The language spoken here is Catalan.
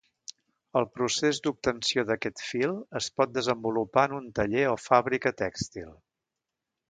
El procés d'obtenció d'aquest fil es pot desenvolupar en un taller o fàbrica tèxtil.